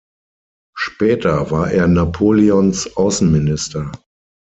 Später war er Napoleons Außenminister.